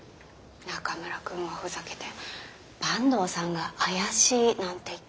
中村くんがふざけて坂東さんが怪しいなんて言ってましたけど。